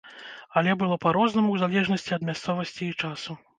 Але было па-рознаму ў залежнасці ад мясцовасці і часу.